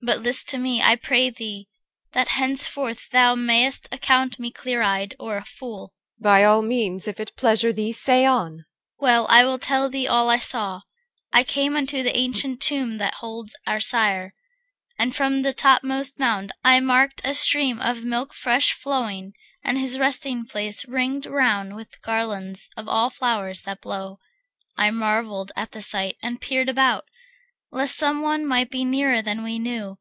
CHR. But list to me, I pray thee, that henceforth Thou mayest account me clear eyed, or a fool! EL. By all means, if it pleasure thee, say on. CHR. Well, I will tell thee all I saw: I came Unto the ancient tomb that holds our sire; And from the topmost mound I marked a stream Of milk fresh flowing, and his resting place Ringed round with garlands of all flowers that blow. I marvelled at the sight, and peered about, Lest some one might be nearer than we knew.